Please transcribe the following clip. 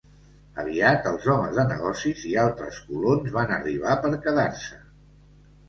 Aviat els homes de negocis i altres colons van arribar per quedar-se.